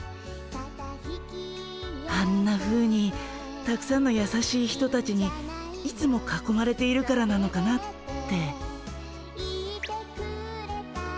あんなふうにたくさんのやさしい人たちにいつもかこまれているからなのかなって。